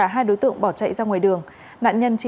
hẹn gặp lại